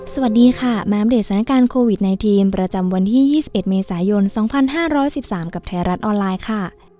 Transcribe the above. สวัสดีค่ะมาอัปเดตสถานการณ์โควิด๑๙ประจำวันที่๒๑เมษายน๒๕๑๓กับไทยรัฐออนไลน์ค่ะ